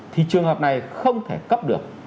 thì trường hợp này không thể cấp được